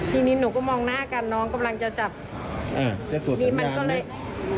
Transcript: ทีนี้หนูก็มองหน้ากันน้องกำลังจะจับอ่าจะกดสัญญาณแม่นดีกว่าเลย